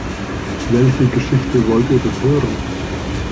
Welche Geschichte wollt ihr denn hören?